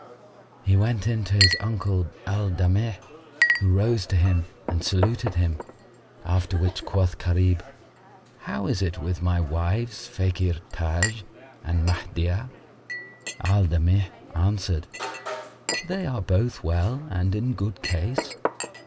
He went in to his uncle Al Damigh, who rose to him and saluted him; after which quoth Gharib, "How is it with my wives Fakhr Taj[FN#53] and Mahdiyah?" Al Damigh answered, "They are both well and in good case."